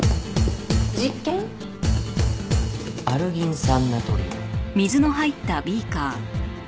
アルギン酸ナトリウム。